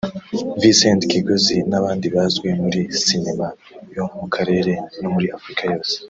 Vincent Kigozi n’abandi bazwi muri Sinema yo mu karere no muri Afurika yose